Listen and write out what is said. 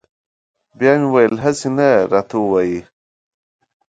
بیا مې ویل هسې نه راته ووایي.